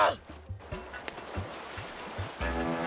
tidak berguna ninggir